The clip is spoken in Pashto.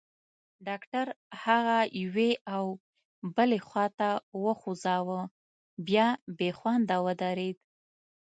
ډاکټر هغه یوې او بلې خواته وخوځاوه، بیا بېخونده ودرېد.